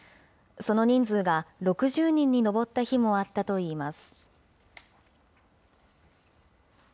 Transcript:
その人数が６０人に上った日もあったといいます。